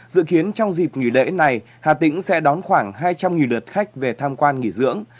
dự kiến trong dịp nghỉ lễ này hà tĩnh sẽ đón khoảng hai trăm linh lượt khách về tham quan nghỉ dưỡng